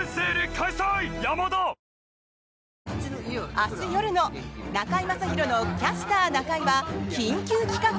明日夜の「中居正広のキャスターな会」は緊急企画。